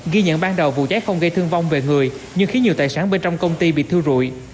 ghi nhận ban đầu vụ cháy không gây thương vong về người nhưng khiến nhiều tài sản bên trong công ty bị thiêu rụi